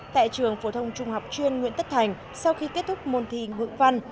tại trường phổ thông trung học chuyên nguyễn tất thành sau khi kết thúc môn thi ngữ văn